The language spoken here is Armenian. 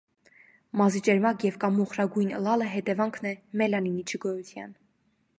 Մազի ճերմակ եւ կամ մոխրագոյն ըլլալը հետեւանքն է՝ մելանինի չգոյութեան։